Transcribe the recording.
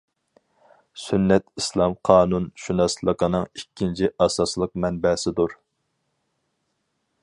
سۈننەت ئىسلام قانۇنشۇناسلىقىنىڭ ئىككىنچى ئاساسلىق مەنبەسىدۇر.